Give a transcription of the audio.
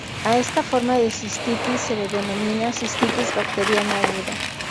A esta forma de cistitis se le denomina cistitis bacteriana aguda.